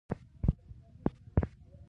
زه له خوراکي توکو څخه ساتم.